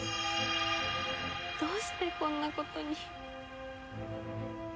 どうしてこんなことに。